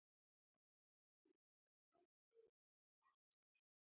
د بنګو کښت منع دی؟